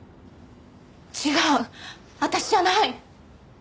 違う私じゃない！